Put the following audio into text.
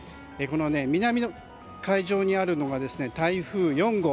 南の海上にあるのが台風４号。